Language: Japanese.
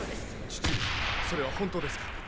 父上それは本当ですか？